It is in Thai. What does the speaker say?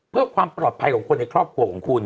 เพื่อความปลอดภัยของคนในครอบครัวของคุณ